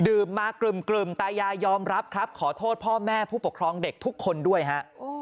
มากลึ่มตายายยอมรับครับขอโทษพ่อแม่ผู้ปกครองเด็กทุกคนด้วยฮะ